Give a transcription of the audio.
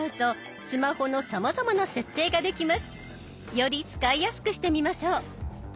より使いやすくしてみましょう。